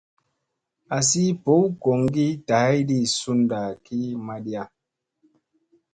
Asi ɓow goŋgi dahaydi sunɗa ki madiya.